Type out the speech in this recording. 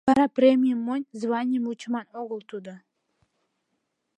Вара премийым монь, званийым вучыман огыл тудо.